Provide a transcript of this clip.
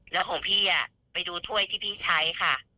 แล้วของพี่ไปดูถ้วยที่พี่ใช้ค่ะ